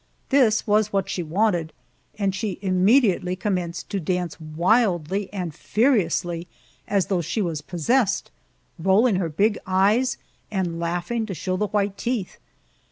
This was what she wanted, and she immediately commenced to dance wildly and furiously, as though she was possessed, rolling her big eyes and laughing to show the white teeth.